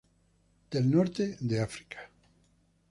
Del Norte de África.